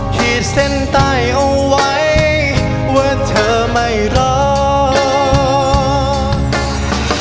ขีดเส้นใต้เอาไว้ว่าเธอไม่ร้อง